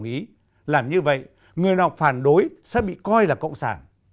ông không đồng ý làm như vậy người nào phản đối sẽ bị coi là cộng sản